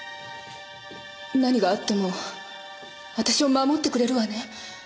何があっても私を守ってくれるわね？